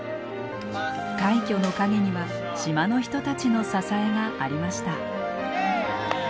快挙の陰には島の人たちの支えがありました。